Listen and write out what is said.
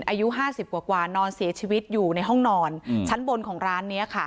อายุ๕๐กว่านอนเสียชีวิตอยู่ในห้องนอนชั้นบนของร้านนี้ค่ะ